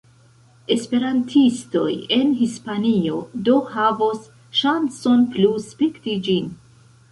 Esperantistoj en Hispanio do havos ŝancon plu spekti ĝin.